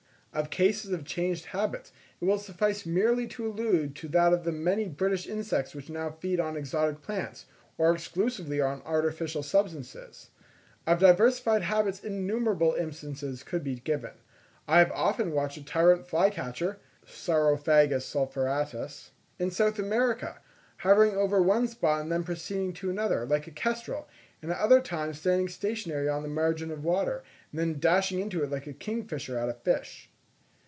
Of cases of changed habits it will suffice merely to allude to that of the many British insects which now feed on exotic plants, or exclusively on artificial substances. Of diversified habits innumerable instances could be given: I have often watched a tyrant flycatcher (Saurophagus sulphuratus) in South America, hovering over one spot and then proceeding to another, like a kestrel, and at other times standing stationary on the margin of water, and then dashing into it like a kingfisher at a fish.